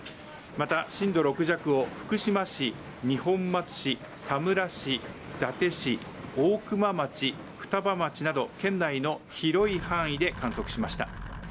また、震度６弱を福島市、二本松市、田村市、伊達市大熊町、双葉町など県内の広い範囲で観測しました。